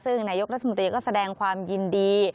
ซึ่งนายกรัฐมนตรีก็แสดงความยินดี